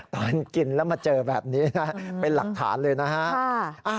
ตอนกินแล้วมาเจอแบบนี้นะเป็นหลักฐานเลยนะฮะ